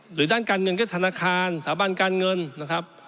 ด้านการเงินก็ธนาคารสถาบันการเงินนะครับ